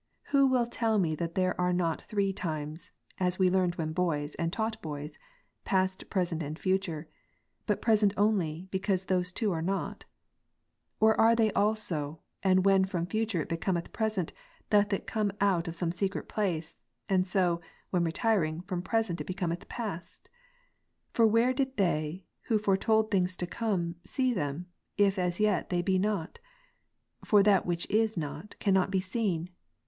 " Who will tell me that there are not three times, (as we learned when boys, and taught boys,) past, present, and future ; but present only, because those two are not ? Or are they also ; and when from future it becometh present, doth it come out of some secret place ; and so when retiring, from present it becometh past ? For where did they, who foretold things to come, see them, if as yet they be not ? For that which is not, cannot be seen.